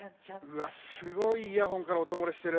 うわすごいイヤホンからおともれしてる。